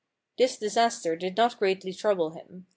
* This disaster did not greatly trouble him.